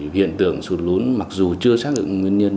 hiện tượng sụt lún mặc dù chưa xác định nguyên nhân